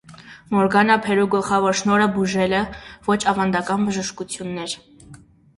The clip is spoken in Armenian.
Մորգանա փերու գլխավոր շնորհը բուժելն (ոչ ավանդական բժշկություն) էր։